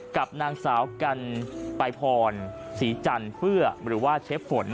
กับนางสาวกันไปพรศรีจันทร์เพื่อหรือว่าเชฟฝน